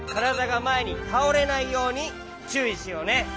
がまえにたおれないようにちゅういしようね。